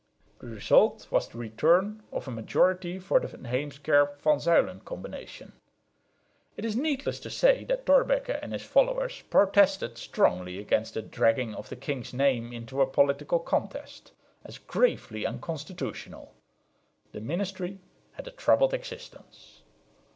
The result was the return of a majority for the Heemskerk Van Zuylen combination. It is needless to say that Thorbecke and his followers protested strongly against the dragging of the king's name into a political contest, as gravely unconstitutional. The ministry had a troubled existence.